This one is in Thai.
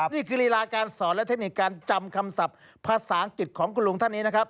นี่คือรีลาการสอนและเทคนิคการจำคำศัพท์ภาษาอังกฤษของคุณลุงท่านนี้นะครับ